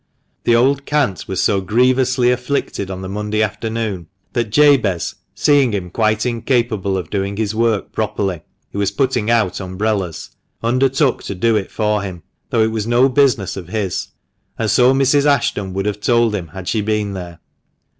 The old cant was so grievously afflicted on the Monday afternoon, that Jabez, seeing him quite incapable of doing his work properly (he was putting out umbrellas), undertook to do it for him, though it was no business of his — and so Mrs. Ashton would have told him, had she been there.